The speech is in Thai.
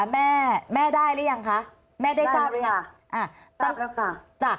แม่ได้หรือยังคะแม่ได้ทราบหรือยังทราบแล้วค่ะ